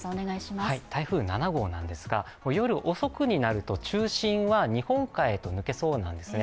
台風７号ですが、夜遅くになると中心は日本海へと抜けそうなんですね。